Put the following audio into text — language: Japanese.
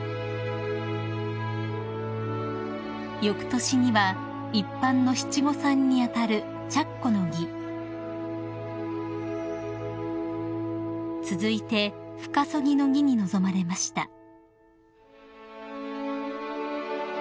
［よくとしには一般の七五三に当たる着袴の儀続いて深曾木の儀に臨まれました］